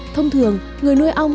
thông thường người nuôi ong